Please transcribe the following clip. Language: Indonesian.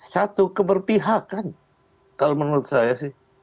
satu keberpihakan kalau menurut saya sih